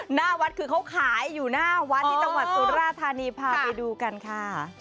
หน้าวัดคือเขาขายอยู่หน้าวัดที่จังหวัดสุราธานีพาไปดูกันค่ะ